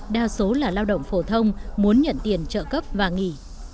đa số là lao động phổ thông muốn nhận tiền trợ cấp và nghỉ